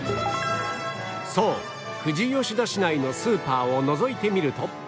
そう富士吉田市内のスーパーをのぞいてみると